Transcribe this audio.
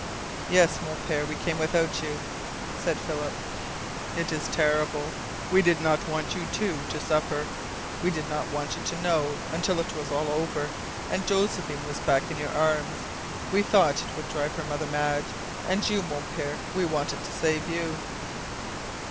"Yes, Mon Pere, we came without you," said Philip. "It is terrible. We did not want you two to suffer. We did not want you to know until it was all over, and Josephine was back in your arms. We thought it drive her mother mad. And you, Mon Pere, we wanted to save you!"